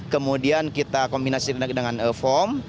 kemudian kita kombinasi dengan foam